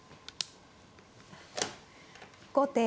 後手